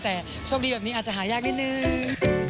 แต่โชคดีแบบนี้อาจจะหายากนิดนึง